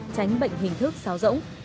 tránh bệnh hình thức xáo rỗng